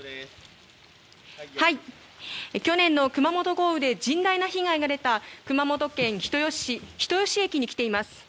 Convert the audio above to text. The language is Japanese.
去年の熊本豪雨で甚大な被害が出た熊本県人吉市の人吉駅に来ています。